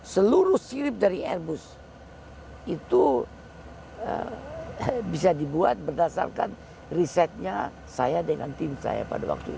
seluruh sirip dari airbus itu bisa dibuat berdasarkan risetnya saya dengan tim saya pada waktu itu